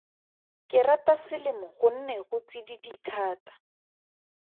Ke rata selemo gonne go tsididi thata.